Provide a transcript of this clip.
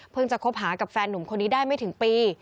จะคบหากับแฟนหนุ่มคนนี้ได้ไม่ถึงปี